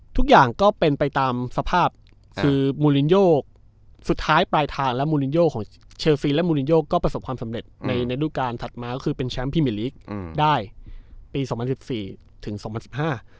ทุกอย่างก็เป็นไปตามสภาพคือมูลินโยสุดท้ายปลายทางและมูลินโยของเชลซีและมูลินโยก็ประสบความสำเร็จในในรูปการณ์ถัดมาก็คือเป็นแชมป์พิมิลิกอืมได้ปีสองพันสิบสี่ถึงสองพันสิบห้า